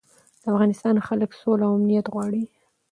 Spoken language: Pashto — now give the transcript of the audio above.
د افغانستان خلک سوله او امنیت غواړي.